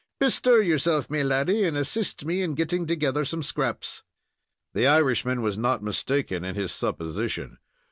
Bestir yourself, me laddy, and assist me in getting together some scraps." The Irishman was not mistaken in his supposition.